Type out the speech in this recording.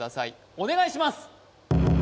お願いします